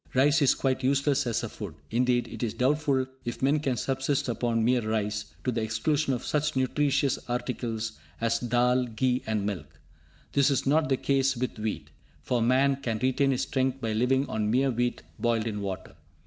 Rice is quite useless as a food. Indeed, it is doubtful if men can subsist upon mere rice, to the exclusion of such nutritious articles as dhall, ghee and milk. This is not the case with wheat, for man can retain his strength by living on mere wheat boiled in water.